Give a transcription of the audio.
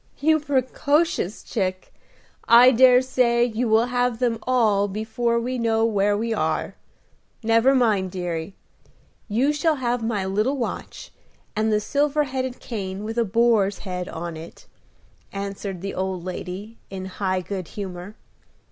"You precocious chick! I dare say you will have them all before we know where we are. Never mind, deary; you shall have my little watch, and the silver headed cane with a boar's head on it," answered the old lady, in high good humor.